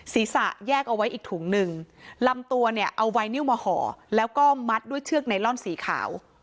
แยกเอาไว้อีกถุงหนึ่งลำตัวเนี่ยเอาไวนิวมาห่อแล้วก็มัดด้วยเชือกไนลอนสีขาว